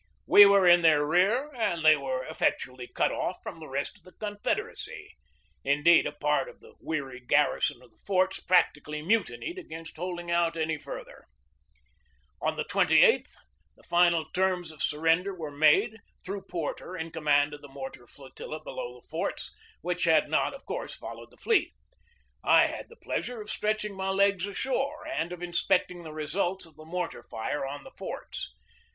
We were in their rear and they were effectually cut off from the rest of the Confederacy. Indeed, a part of the weary garrison of the forts practically mutinied against holding out any further. On the 28th the final terms of surrender were made, through Porter, in command of the mortar flotilla below the forts, which had not, of course, fol lowed the fleet. I had the pleasure of stretching my legs ashore and of inspecting the results of the mor tar fire on the forts.